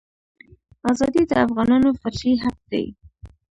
ازادي د افغانانو فطري حق دی.